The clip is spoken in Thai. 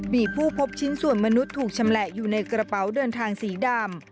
มีผู้พบชิ้นส่วนมนุษย์ถูกชำแหละอยู่ในกระเป๋าเดินทางสีดำ